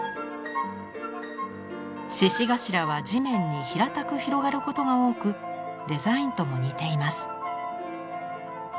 シシガシラは地面に平たく広がることが多くデザインとも似ています。